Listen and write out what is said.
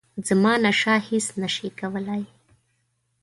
زمانشاه هیچ نه سي کولای.